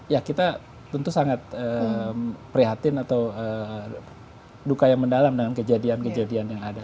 ya kita tentu sangat prihatin atau duka yang mendalam dengan kejadian kejadian yang ada